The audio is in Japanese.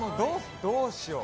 どうしよう。